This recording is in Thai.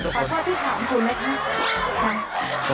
ขอขอบที่ถามคุณนะครับ